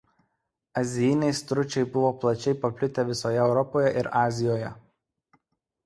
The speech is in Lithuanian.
Azijiniai stručiai buvo plačiai paplitę visoje Europoje ir Azijoje.